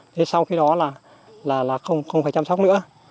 thế sau khi đó là không phải chăm sóc nữa